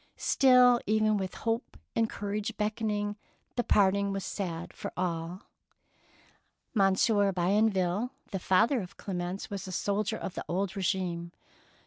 Still, even with Hope and Courage beckoning, the parting was sad for all. 137 DEEDS OF DAEING Monsieur Bienville, the father of Clemence, was a soldier of the old re gime.